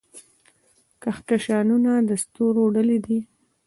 کهکشانونه د ستورو ډلې دي.